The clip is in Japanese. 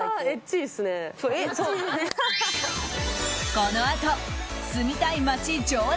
このあと、住みたい街常連